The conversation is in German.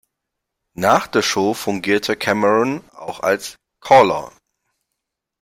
Nach der Show fungierte Cameron auch als Caller.